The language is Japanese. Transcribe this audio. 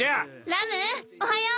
ラムおはよう。